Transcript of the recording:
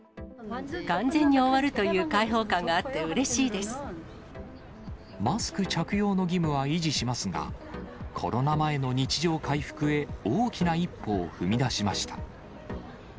完全に終わるという開放感がマスク着用の義務は維持しますが、コロナ前の日常回復へ、大きな一歩を踏み出しました。